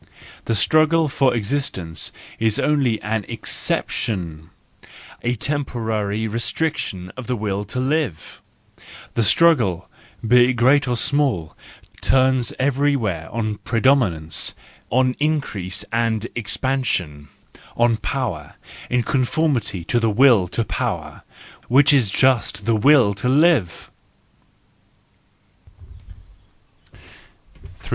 The struggle for existence is only an exception , a temporary restriction of the will to live ; the struggle, be it great or small, turns every¬ where on predominance, on increase and expansion, on power, in conformity to the will to power, which is just the will to live.